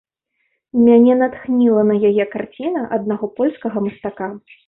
Мяне натхніла на яе карціна аднаго польскага мастака.